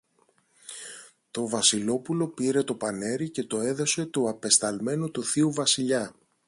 Το Βασιλόπουλο πήρε το πανέρι και το έδωσε του απεσταλμένου του θείου Βασιλιά.